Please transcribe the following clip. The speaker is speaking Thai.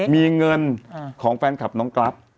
มีเงินของแฟนคลับน้องกรัฟ